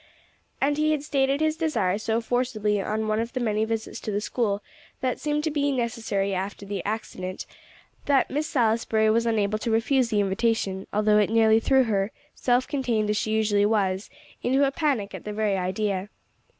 And he had stated his desire so forcibly on one of the many visits to the school that seemed to be necessary after the accident, that Miss Salisbury was unable to refuse the invitation, although it nearly threw her, self contained as she usually was, into a panic at the very idea.